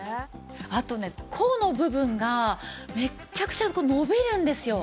あとね甲の部分がめっちゃくちゃ伸びるんですよ。